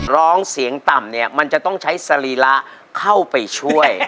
ร้องเสียงต่ำเนี่ยมันจะต้องใช้สรีระเข้าไปช่วย